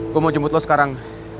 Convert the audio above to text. gue mau jemput lo sekarang